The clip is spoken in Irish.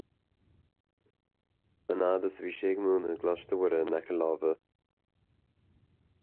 An fhad is a bhí sé ag múineadh i gColáiste Mhuire in aice láimhe.